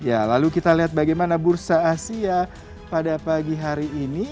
ya lalu kita lihat bagaimana bursa asia pada pagi hari ini